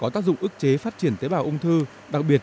tàm thất nghệ vàng và dòng biển